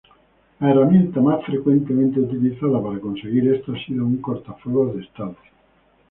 La herramienta más frecuentemente utilizada para conseguir esto ha sido un cortafuegos de estado.